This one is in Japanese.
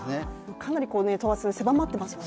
かなり等圧線、狭まっていますもんね。